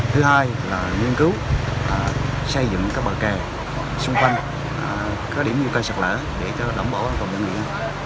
thứ hai là nghiên cứu xây dựng các bờ kè xung quanh có điểm nhiều cây sạt lở để đảm bảo an toàn nguyện nguyện